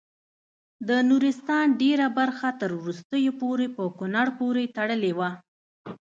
د نورستان ډیره برخه تر وروستیو پورې په کونړ پورې تړلې وه.